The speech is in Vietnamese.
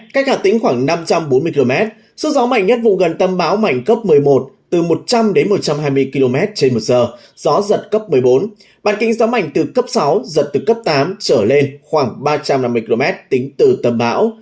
cách hạ tính khoảng năm trăm bốn mươi km số gió mảnh nhất vụ gần tâm báo mảnh cấp một mươi một từ một trăm linh đến một trăm hai mươi km trên một giờ gió giật cấp một mươi bốn bản kinh gió mảnh từ cấp sáu giật từ cấp tám trở lên khoảng ba trăm năm mươi km tính từ tâm báo